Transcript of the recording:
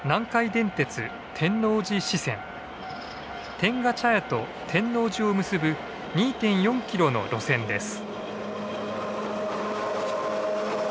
天下茶屋と天王寺を結ぶ２．４キロの路線です。